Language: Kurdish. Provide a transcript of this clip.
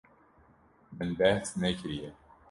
Min behs nekiriye.